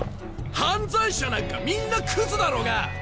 犯罪者なんかみんなクズだろうが！